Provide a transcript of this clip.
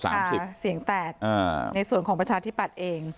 เสียงแตกในส่วนของประชาธิปัตย์เอง